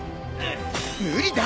無理だ！